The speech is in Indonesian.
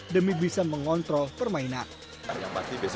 demi bisa mengontrol permainan